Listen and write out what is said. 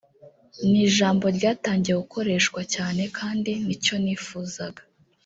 …ni ijambo ryatangiye gukoreshwa cyane kandi nicyo nifuzaga